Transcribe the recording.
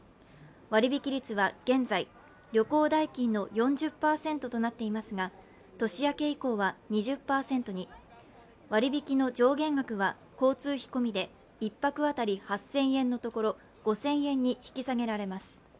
割引率は現在、旅行代金の４０％となっていますが、年明け以降は２０％に、割引きの上限額は、交通費込みで１泊当たり８０００円のところ、５０００円に引き下げられます。